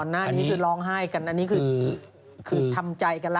หน้านี้คือร้องไห้กันอันนี้คือทำใจกันแล้ว